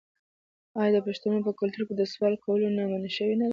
آیا د پښتنو په کلتور کې د سوال کولو نه منع شوې نه ده؟